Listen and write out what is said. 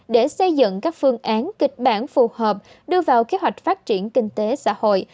để xây dựng các phương án kịch bản phù hợp đưa vào kế hoạch phát triển kinh tế xã hội